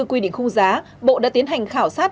quy định khung giá bộ đã tiến hành khảo sát